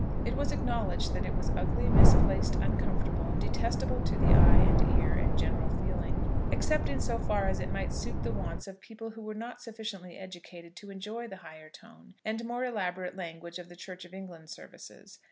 It was acknowledged that it was ugly, misplaced, uncomfortable, detestable to the eye, and ear, and general feeling, except in so far as it might suit the wants of people who were not sufficiently educated to enjoy the higher tone, and more elaborate language of the Church of England services.